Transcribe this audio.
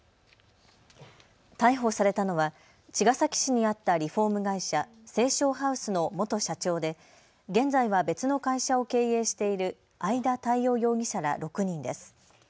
逮捕されたのは茅ヶ崎市にあったリフォーム会社、成相ハウスの元社長で現在は別の会社を経営している相田大緒容疑者ら６人です。